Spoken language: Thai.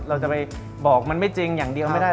เราจะไปบอกมันไม่จริงอย่างเดียวไม่ได้